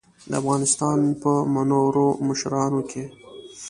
د افغانستان په منورو مشرانو کې.